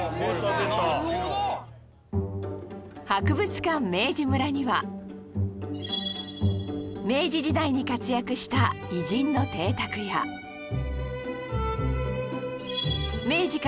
博物館明治村には明治時代に活躍した偉人の邸宅やなど